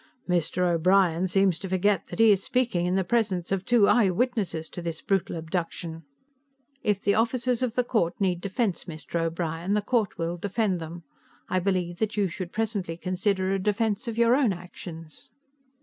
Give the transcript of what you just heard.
"Mr. O'Brien seems to forget that he is speaking in the presence of two eye witnesses to this brutal abduction." "If the officers of the court need defense, Mr. O'Brien, the court will defend them. I believe that you should presently consider a defense of your own actions."